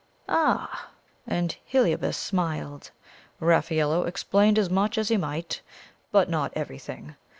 "Ah!" and Heliobas smiled. "Raffaello explained as much as he might; but not everything.